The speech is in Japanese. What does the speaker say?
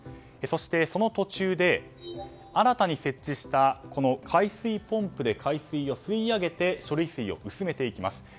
そして、その途中で新たに設置した海水ポンプで海水を吸い上げて処理水を薄めていきます。